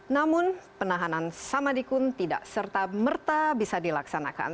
namun penahanan samadikun tidak serta merta bisa dilaksanakan